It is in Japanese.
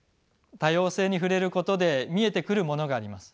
多様性に触れることで見えてくるものがあります。